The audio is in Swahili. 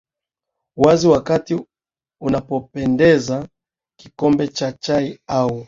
wazi wakati unapopendeza kikombe cha chai au